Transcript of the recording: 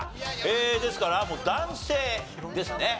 ですから男性ですね。